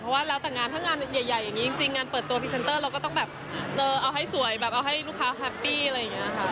เพราะว่าแล้วแต่งานถ้างานใหญ่อย่างนี้จริงงานเปิดตัวพรีเซนเตอร์เราก็ต้องแบบเออเอาให้สวยแบบเอาให้ลูกค้าแฮปปี้อะไรอย่างนี้ค่ะ